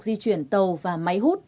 di chuyển tàu và máy hút